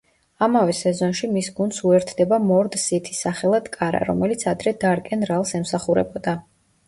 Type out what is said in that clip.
ამავე სეზონში მის გუნდს უერთდება მორდ-სითი, სახელად კარა, რომელიც ადრე დარკენ რალს ემსახურებოდა.